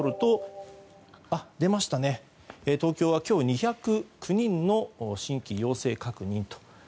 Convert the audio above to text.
出ましたね、東京は今日２０９人の新規陽性確認です。